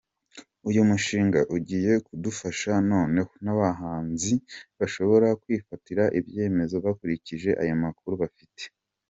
Uyu mushinga ugiye kudufasha noneho n’abahinzi bashobore kwifatira ibyemezo bakurikije ayo makuru bafite.